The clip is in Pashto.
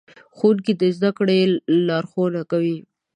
ښوونکي د زدهکړې لارښوونه کوي.